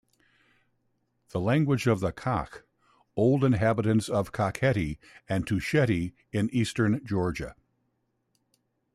The language of the Kakh, old inhabitants of Kakheti and Tusheti in Eastern Georgia.